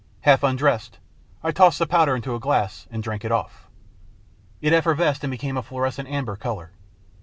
Half undressed, I tossed the powder into a glass and drank it off. It effervesced, and became a fluorescent amber colour.